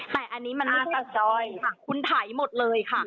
ภาพโรงงานออกมากที่วิ่งไฮร์แอก